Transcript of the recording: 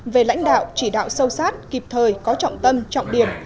về lãnh đạo chỉ đạo sâu sát kịp thời có trọng tâm trọng điểm